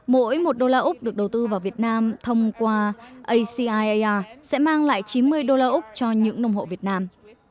mỗi một đô la úc được đầu tư vào việt nam thông qua aci ar sẽ mang lại chín mươi đô la úc cho những nồng hộ việt nam